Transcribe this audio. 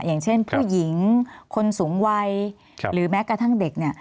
อย่างเช่นผู้หญิงคนสูงวัยหรือแม้กระทั่งเด็กเนี่ย